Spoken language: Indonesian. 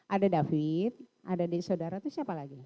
ada david ada di saudara itu siapa lagi